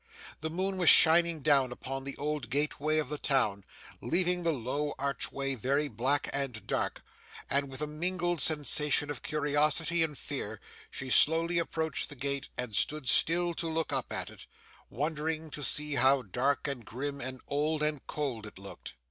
The moon was shining down upon the old gateway of the town, leaving the low archway very black and dark; and with a mingled sensation of curiosity and fear, she slowly approached the gate, and stood still to look up at it, wondering to see how dark, and grim, and old, and cold, it looked.